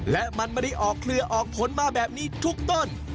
และมันไม่ได้ออกเครือออกผลมาแบบนี้ทุกต้น